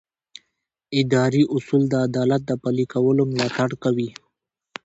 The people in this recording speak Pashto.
اداري اصول د عدالت د پلي کولو ملاتړ کوي.